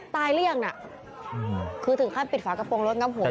หรือยังน่ะคือถึงขั้นปิดฝากระโปรงรถงับหัว